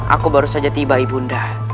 aku baru saja tiba ibunda